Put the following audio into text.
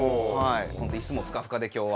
本当椅子もふかふかで今日は。